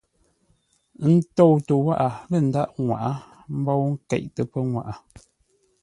Ə́ tóutə́ wághʼə lə́ ndaghʼ ŋwaʼá mbǒu nkéiʼtə́ pəŋwaʼa.